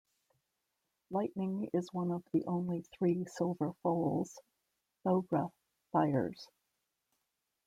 Lightning is one of the only three silver foals Thowra sires.